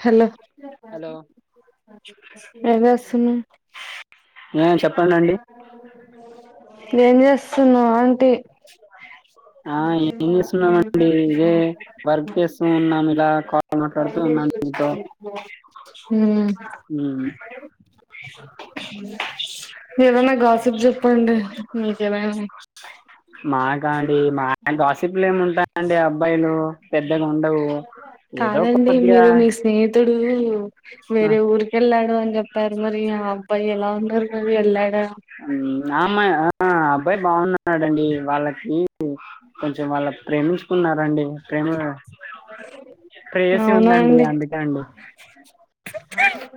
Hello hello ఏం చేస్తావ్ ఆ చెప్పంనండి ఏం చేస్తున్నా ఆంటీ ఆ ఏం చేస్తున్నామండి ఇదే వర్క్ చేస్తూ ఉన్నాం ఇలా కాల్ మాట్లాడుతూ ఉన్నాం మీతో మ్మ్ మ్ ఏదనా గాసిప్ చెప్పండి మీకేదైనా మాకా అండి మా [unintelligible] ఏముంటాయిండి అబ్బాయిలు పెద్దగా ఉండవు ఏదో కాదండి కొద్దిగా మీరు మీ స్నేహి తడు ఆ వేరే ఊరికెళ్లా ని చెప్పారు మరి ఆ అబ్బాయి ఎలా ఉంటారు మరి ఎలా ఆ ఆ అమ్మాయా అబ్బాయి బావున అడండి వాళ్ళకి కొంచెం వాళ్ళు ప్రేమించుకున్నారండి ప్రేమ ప్రేయసి ఉందండి అందుకే అండి సర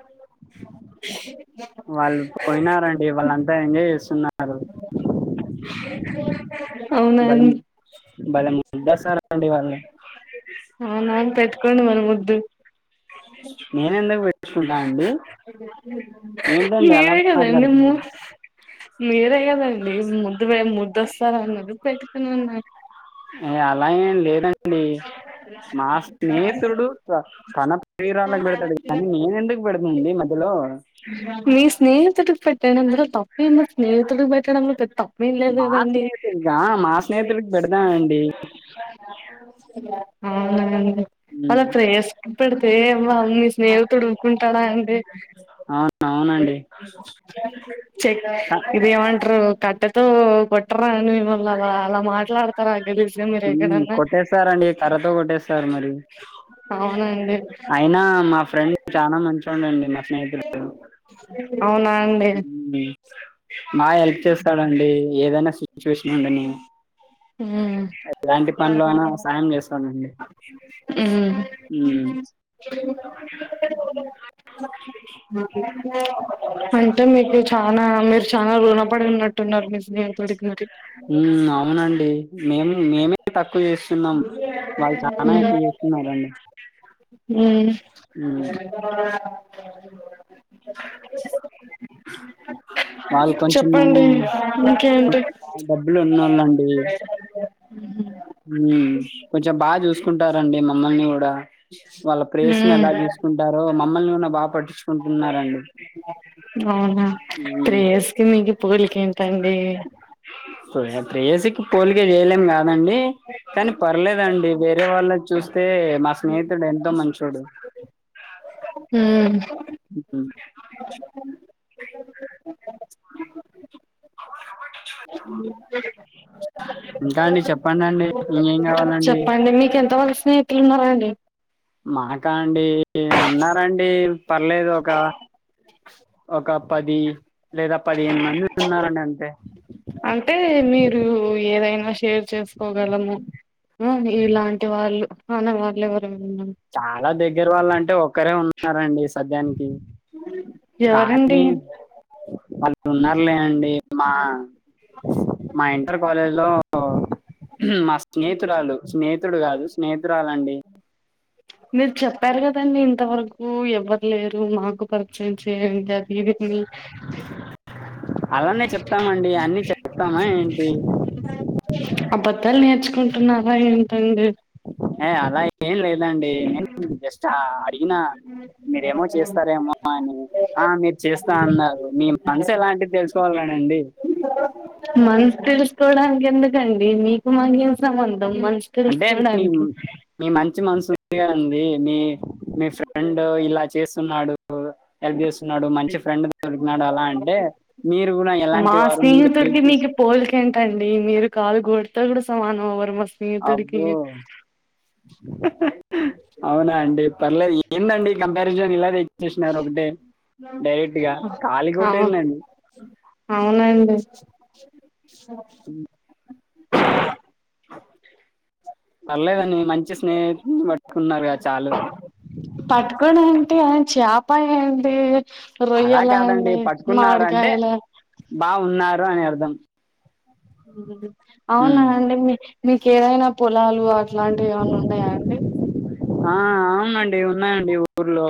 వాళ్ళు పోయినారండి వాళ్ళంత బాగా ఎంజాయ్ చేస్తున్నారు అవునా అండి బలము భలే ముద్దస్తారండి వాళ్ళు అవునా మరి పెట్టుకోండి మరి ముద్దు నేన ఎందుకు పెట్టుకుంటా అండి ఏంటండి ఏం అలా ఐడియాలు నెమో మాట్లాడుతుంది మీర ఏదన్ ముద్దు పోయేలికి ముద్దు వస్త్ సర అన్నది పెట్టుతున్నాన్నారు అలా ఏం లేదండి డి మా స్నేహితుడు తన ప్రేరాలకు పెడతాడు కానీ నేను ఎందుకు పెడుతాను మీ స్నేహితుడికి పెట్టడం తప్ మేము స్నేహితులకి పెట్టడం తప్ మేము లేదు మా కదండి స్నేహితుడిగా మా స్నేహితుడికి పెడతానండి ఆ అలా ఉమ్, ప్రేయస్ కి పెడితే అమ్మ అమ్మీ స్నేహితుడు ఊరుకుంటాడా అండి అవును అవునండి చెక్ క- ఇది ఏమంటారు కట్టెతో కొట్టర్రా అని మిమ్మల్ని అలా మాట్లాడతారా గలీజ్గా మీరు ఊ ఎక్కడన్నా కొట్టేస్తారండి కర్రతో కొట్టేస్తారు. మరి అవునండి అయినా మా ఫ్రెండ్ చాలా మంచోడు అం అండి మా స్నేహితులు అ అవునా అండి నా హెల్ప్ చేస్తాడండి ఏదైనా సీ చూసినండిని ఉమ్ ఇలాంటి పనులు అన సాయం చేస్తానండి మ్మ్ అంటే మీకు చనా మీరు చనా రుణపడి ఉన్నట్టున్నారు మీ స్నేహతుడికి మరి మ్మ్ అవునండి మే మేమ తక్ ఎక్కువ చేస్తున్నాం వాళ్ళు చనా ఎక్కువ చేస్తున్నారండి మ్మ్ అ [unintelligible] వాళ్ళు కొంచెంము చెప్పండి కొ ఇంకేంటి డబ్బులు ఉన్నా లాండి ముని కొంచెం బాగా చూసుకుంటారండి మమ్మల్ని కూడా వాళ్ళ ప్రేస్ ని మ్మ్ ఎలా చూసుకుంటార్ బా మమ్మల్ని కూడా బాగా పట్టించుకుంటున్నారండి బాగా హ్మ్ ప్రేయస్కి మీకి పోలిక ఏంటండీ ప్రేయసికి పోలికే చేయలేం కాదండి కానీ పర్లేదండి వేరే వాళ్ళ చూస్తే మా స్నేహితుడు ఎంతో మంచోడు మ్మ్ మ్మ్ ఇంకా అండి చెప్పండి అండి చెప్పండి మీకు ఎంత వల్ స్నేహితులున్నారండి మాకా అండి ఉన్నా రండి పర్లేదు ఒక ఒక పది లేదా పదిహేను మంది ఉన్నారండి అంతే అంటే మీరు ఏదైనా షేర్ చేసుకోగలము ఆ ఇలాంటి వాళ్ళు ఆవునా మాక్ లెవ్వర్ చాలా దగ్గర వాళ్ళంటే ఒక్కరే ఉన్నార్ న్నారండి సద్యానికి ఎవరండి అలా ఇరు ఉన్నారు లేనండి మా మా ఇంటర్ కాలేజ్ లో మా స్నేహతురాలు స్నేహి ితుడు కాదు స్నేహితురాలండి మీరు చెప్పారు కదండి ఇంతవరకు ఎవ్వరు లేరు మాకు పరిచయం చేయండి అక్ ఇవిత్ని అలానే చెప్తామండి అన్ని చెప్తామా ఏంటి అబద్ధాలు నేర్చుకుంటున్నావ ఏంటండి ఏ అలా ఏం లేదు లే అండి నేను జస్ట్ అడిగినా మీరేమో చేస్తారేమో అని ఆ మీరు చేస్తా అన్నారు నీ మనసు ఎలాంటిది తెలుసు లనండి కోవడానికి ఎందుకండి మీకు మాకేం సంబంధం మనసు అంటే మీ తెలుసుకోవడానికి మీ మంచి మనుషు అ అండి మీ మీ ఫ్రెండ్ ఇలా చేసి స్తున్నాడు హెల్ప్ జేస్సున్నాడు మంచి ఫ్రెండ్ దొరికినాడు అలా అంటే మీరు కూడా మా ఎలాంటి వారు మీరు స్నేహితుడికి హెల్ప్ చే మీకు డు సమానం స్నేహితుడికి అబ్బో అవునా అండి పర్లేదు ఏందండి కంపారిజన్ ఇలా చేసినారు ఒకటే డైరెక్ట్ గా ఆ కళికట ఏందండి అ స [unintelligible] పర్లేదండి మంచి స్నేహితుని పట్టుకున్నారుగ చాలు అ చేపా ఏంటి అలా రొయ్యలా కాదండి అండి పట్టుకున్నారు అంటే మామిడికాయలా బాగున్నారు నే అర్థం అవునా ఉమ్. అండి మీ మీకేదై నా ఆ అవునండి ఉన్నానండి ఊర్లో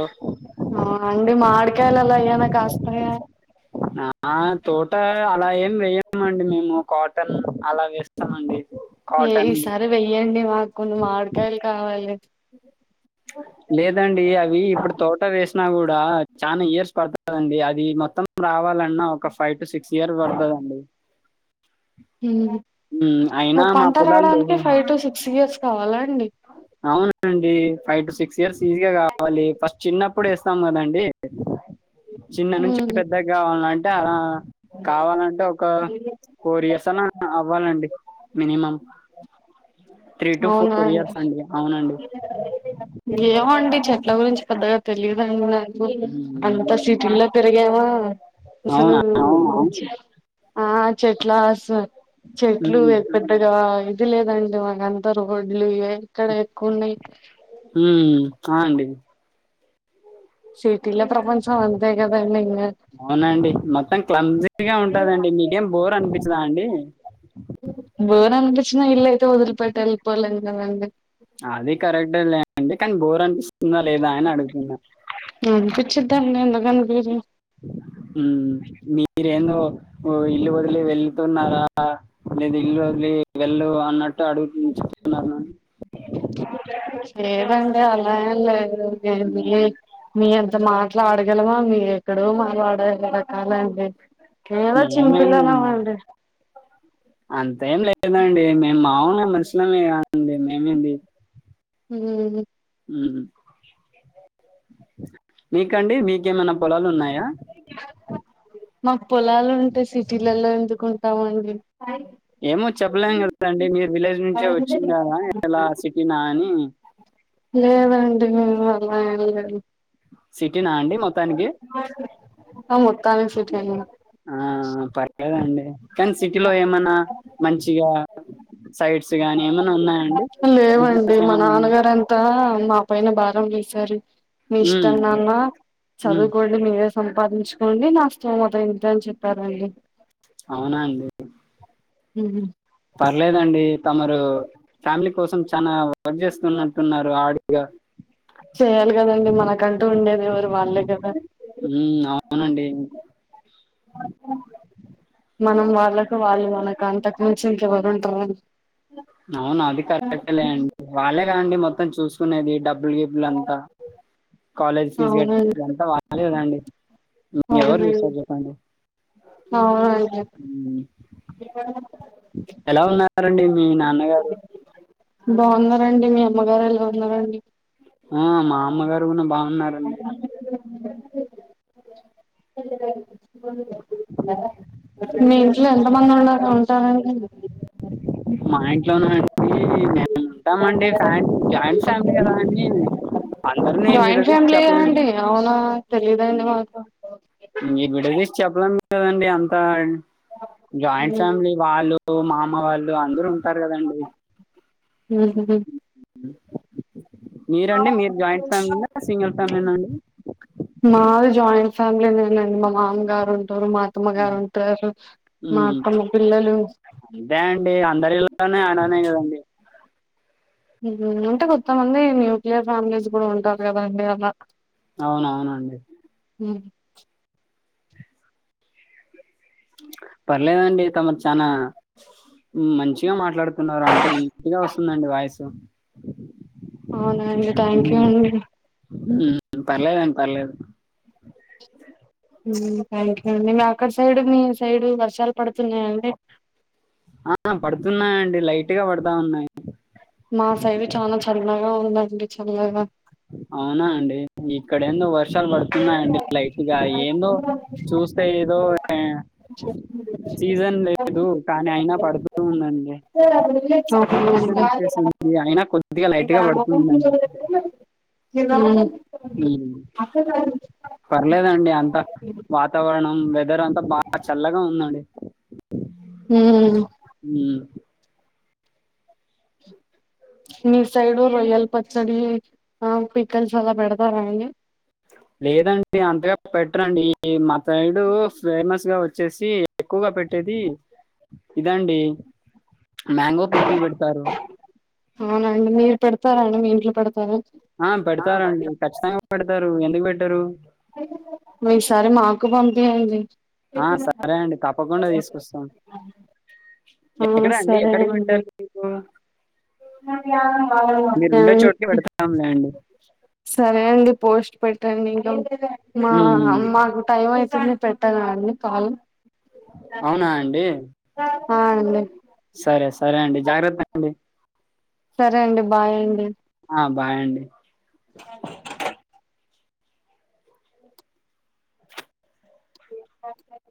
అవునా అండి మామిడికాయలల అయ్యనా కాస్త ఆ తోట అలా ఏమి వేయమండి మేము కాటన్ అలా వేస్తామ అండి ఏ ఈ సారి వెయ్యండి మాకు మాడకాయలు కావాలి ఉ లేదండి అవి ఇప్పుడు తోట వేసినా కూడా చానా ఇయర్స్ పడుతందిండి అది మొత్తం రావాలన్నా ఒక ఫైట్ సిక్స్ ఇయర్ పడుతుదండి ఓ అయినా మా పంట పొలాల్లో రాడానికే ఫైవ్ టు సిక్స్ ఇయర్స్ లా అండి అవుననండి ఫైవ్ టు సిక్స్ ర్స్ ఈజీగా గావాలి ఫస్ట్ చిన్న ఎప్పుడు వేస్తాం కదండి చిన్న నుంచి హ్మ్. పెద్దగా కావాలంటే అలా కావాలంటే ఒక ఫోర్ ఇయర్స్ అన్న అవ్వాలండి minimum three to four years అండి అవునండి ఏమో అండి చెట్ల గురించి పెద్దగా తెలియదండి నా ఉమ్. అంత సిటీలో తిరగామ అసలు అవునా అండి ఆ చెట్లాస చెట్లు ఉమ్ పెద్ద పెద్దగా ఇది లేదండి మాక అంత రోడ్లు ఇవే ఇక్కడ ఎక్కుఉన్నాయి [inaudible] హ ఆ అండి సిటీల ప్రపంచం అంతే కదండి అవునండి మొత్తం క్లమ్జీగా ఉంటదండి మీకేం బోర్ అనిపించదా అండి చిన్న ఇల్ అయితే వదిలిపెట్టీ ఎల్లిపోలేం కదండి అది కరెక్ట్ ఎ లేండి కానీ గోర అనిపి న కుచ్చద్దాన్ [inaudible] ఉహు హ మీరేందొ ఓ ఇల్లు వదిలి వెళ్తున్నారా లేదు ఇల్లు వదిలి వెళ్ళ అన్నట్టు డ [unintelligible] లేదండి అలా ఏమి లేదు నేను మీ మీ అంత మాట్లాడగలమా మీ రెక్కడొ మాట్లాడె రకాలండి ఏదో మేమేనండి చిన్నపిల్లలమండి అంతేం లేదండి మాములు మనుషులమే గ అండి మేమింది హ హ్ మీకండి మీకేమైనా పొలాలు ఉన్నాయ యా [inaudible] మాకు పొలాలు ఉంటే సిటీలలో ఎందుకుంటామ అండి ఏమో చెప్పలేం కదాండి మీరు విలేజ్ నుంచే వచ్చిండార ఎలా సిటీ నా అని లేదండి మేము అలా ఎల్లలే సిట్ మత్తానుంచి ఆ పర్లేదండి కానీ సిటీలో ఏమన్నా మంచిగా సైట్స్ గాని ఏమన్నా ఉన్నాయా అండి? లేవండి బిజినెస్ మా ఏమన్నా ఉన్నాయా? నాన్నగారంతా మా పైన బా భారం వేసారు మీ హ్మ్. ఇష్టం అమ్ హ్మ్. చదువుకోం మీరు సంపాదించుకోండి నాస్తం మతం ఏంత అని చెప్పారండి అవునా అండి ఊహూ పర్లేదండి తమరు ఫ్యామిలీ కోసం చానా వర్క్ చేస్తున్నట్టున్నారు ఆడిగా చేయాలి కదండి మనకంటూ ఉండేది ఎవరు వాళ్ళే కదా! హ్మ్. అవునండి మనం వాళ్ళకు వాళ్ళు మనకు అంతకు మించి ఇంకెవరు ఉంటర్రు. అవును అది కరెక్టే లే అండి వాళ్ళే గా అండి మొత్తం చూసుకునేది డబ్బు గిబ్బులు అంతా కాలేజ్ ఫీజ్ అవునండి కట్టేది అంతా అదేదా అండి ఎవరు అవునండి విస్తారు చెప్పండి అవునండి హ్మ్ ఎలా ఉన్నారండి మీ నాన్నగారు బావున్నారండి మీ అమ్మగారు ఎలా ఉన్నారండి? ఆ మా అమ్మ గారు కూడా బావు [inaudible] [inaudible] [unintelligible] ఫోన్లు మీరు తీసుకున్నారా మీ ఇంట్లో ఎంత మంది ఉండ ఉంటారండి? మా ఇంట్లోనా అండి నేను ఉంటామండి ఫ్యామిలీ జాయింట్ ఫ్యామిలీ కదా అని జాయింట్ ఫ్యామిలీ యా అండి అవునా తెలీదండి మాకు ఈ విడదీసి చెప్పలేం కదండి అంత జాయింట్ ఫ్యామిలీ వాళ్ళు సో మామ వాళ్ళు ఇప్పుడు అందరూ ఉంటారు కదండి ఉహు మీరండి మీరు జాయింట్ ఫ్యామిలీంద సింగల్ ఫ్యామిలీ నా అండి ఫ్యామిలీనే నండి మా మామ గారు టరు మా అత్తమ్మ గారు ఉంటారు మా ఉమ్, అత్తమ్మ పిల్లలు అంతే అండి అందరిలోనే అలానే ప్చ్ కదండి అంటే కొత్తమంది న్యూక్లియర్ ఫ్యామిలీస్ కూడా ఉంటారు కదాండి అలా అవును అవునండి హ్మ్ ప్చ్ పర్లేదండి తమకు చానా మంచిగా మాట్లాడుతున్నారు అంటే నీట్ గా వస్తుందండి వాయిస్ అవునా అండి థ్యాంక్ యూ అండి మ్మ్ పర్లేదండి పర్లేదు మ్మ్ థ్యాంక్ యూ అండి మీ అక్కడ సైడు మీ సైడు వర్షాలు పడుతున్నాయండి ఆ పడుతున్నాయండి లైట్ గా పడతాన్నాయ్ మా సైడు చానా చల్లగా ఉందం డి చల్లగా అవునా అండి మీ ఇక్కడ ఏందో వర్షాలు పడుతున్నాయండి లైట్ గా ఏందో చూస్తే ఏదో సీజన్ అవునా లేదు కానీ అయినా పడుతూందండి. సమ్మర్ అండి సీజన్ వచ్చేసింది అయినా కొద్దిగా లైట్ గా పడుతుందండి. అవును హ్మ్ పర్లేదండి అంత వాతావరణం మ్మ్ వెదర్ అంతా బాగా చల్లగా ఉందండి ఉమ్ హ్మ్ మీ సైడు రొయ్యల్ పచ్చడి ఆ పికల్స్ అలా పెడతార అండి లేదండి అంతగా పెట్టరండి మా సైడు ఫేమస్గా వచ్చేసి ఎక్కువగా పెట్టేది ఇదండి మ్యాంగో పికిల్ పెడతారు. అవునండి మీరు పెడతారండి మీ ఇంట్లో పెడతార ఆ పెడతారండి ఖచ్చితంగా పెడతారు ఎందుకు పెట్ టరు పోయిన సారి మాక్క బంపింది ఆ సరే అండి తప్పకుండా తీసుకొస్తాం ఆ ఎక్కడ అండి సరే ఎక్కడికి అండి పెట్టాలి మీకు మీరు ఉండే చోటుకి పెడతాంలే అండి సరే అండి పొ పోస్ట్ పెట్ట నింకం మా ఉమ్, ఉమ్. మాకు టైమ్ అయి కింద పెట్టన నీ కాలు అవునా అండి ఆండి సరే స సరే అండి జాగ్రత్త అండి సరే అండి బాయ్ అండి ఆ బాయండి [inaudible]